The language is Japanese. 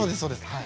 はい。